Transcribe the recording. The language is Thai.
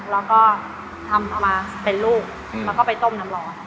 แล้วก็ทำเอามาเป็นลูกแล้วก็ไปต้มน้ำร้อน